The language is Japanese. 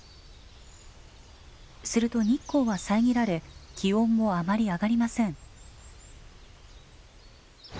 すると日光は遮られ気温もあまり上がりません。